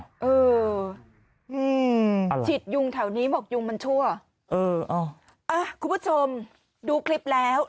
เอออืมฉีดยุงแถวนี้บอกยุงมันชั่วเอออ่ะคุณผู้ชมดูคลิปแล้ว